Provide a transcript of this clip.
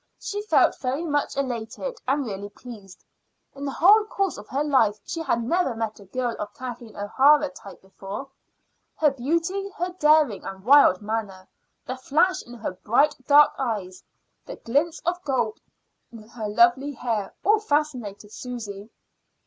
She felt very much elated and really pleased. In the whole course of her life she had never met a girl of the Kathleen O'Hara type before. Her beauty, her daring and wild manner, the flash in her bright dark eyes, the glints of gold in her lovely hair, all fascinated Susy.